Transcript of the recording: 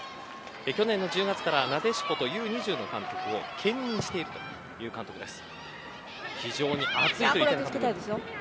去年１０月から、なでしことＵ‐２０の監督を兼任しているという監督です。